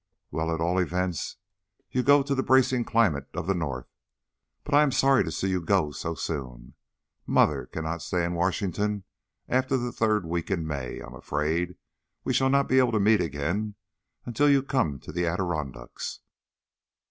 "Well, at all events, you go to the bracing climate of the North. But I am sorry you go so soon. Mother cannot stay in Washington after the third week in May. I am afraid we shall not meet again until you come to the Adirondacks."